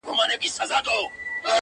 بس چي کله دي کابل کي یوه شپه سي,